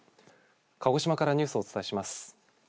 鹿児島からニュースをお伝えします。